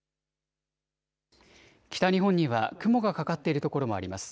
北日本には雲がかかっている所もあります。